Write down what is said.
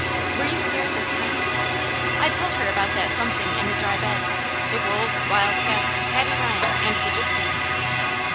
"Were you scared this time?" I told her about that Something in the dry bed, the wolves, wildcats, Paddy Ryan, and the Gypsies.